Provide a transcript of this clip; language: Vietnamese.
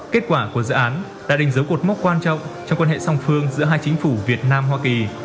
kết quả của dự án đã đánh dấu cột mốc quan trọng trong quan hệ song phương giữa hai chính phủ việt nam hoa kỳ